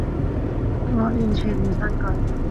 我完全唔信佢